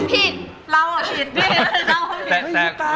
ผิดเราหรอผิด